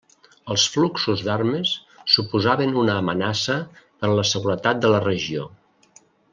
Els fluxos d'armes suposaven una amenaça per a la seguretat de la regió.